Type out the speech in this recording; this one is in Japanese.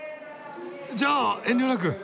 じゃあ遠慮なく！